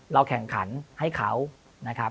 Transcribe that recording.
เราแข่งขันให้เขา